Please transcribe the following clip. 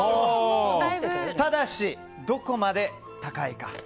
ただし、どこまで高いか。